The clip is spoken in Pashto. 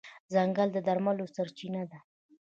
ځنګل د درملو سرچینه ده.